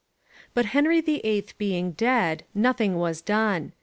But Henry VIII being dead, nothing was done.